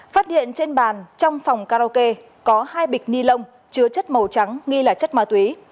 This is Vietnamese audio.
phát hiện trên bàn trong phòng karaoke có hai bịch ni lông chứa chất màu trắng nghi là chất ma túy